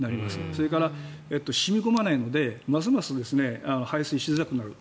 それから、染み込まないのでますます排水しづらくなる。